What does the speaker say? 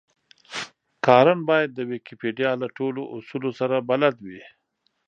کارن بايد د ويکيپېډيا له ټولو اصولو سره بلد وي.